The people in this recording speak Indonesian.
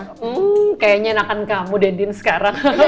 hmm kayaknya enakan kamu dedin sekarang